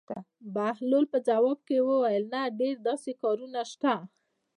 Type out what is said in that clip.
بهلول په ځواب کې وویل: نه ډېر داسې کارونه شته.